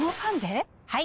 はい！